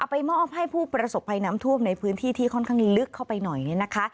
ไปมอบให้ผู้ประสบภัยน้ำท่วมในพื้นที่ที่ค่อนข้างลึกเข้าไปหน่อยเนี่ยนะคะ